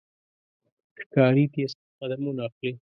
ښکاري تیز قدمونه اخلي.